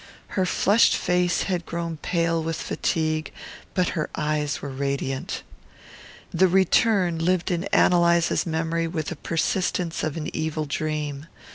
Her flushed face had grown pale with fatigue, but her eyes were radiant. The return lived in Ann Eliza's memory with the persistence of an evil dream.